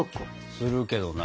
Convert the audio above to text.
するけどな。